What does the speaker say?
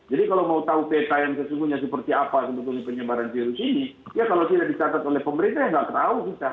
jadi kalau mau tahu teta yang sesungguhnya seperti apa sebetulnya penyebaran virus ini ya kalau tidak dicatat oleh pemerintah ya nggak terlalu bisa